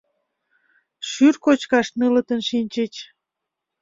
Шӱр кочкаш нылытын шинчыч.